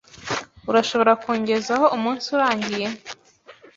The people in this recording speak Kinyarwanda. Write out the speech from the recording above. Urashobora kungezaho umunsi urangiye?